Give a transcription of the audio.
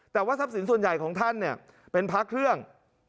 แต่ว่าทรัพย์สินส่วนใหญ่ของท่านเป็นพระเครื่อง